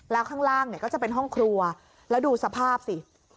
แล้วข้างล่างเนี่ยก็จะเป็นห้องครัวแล้วดูสภาพสิ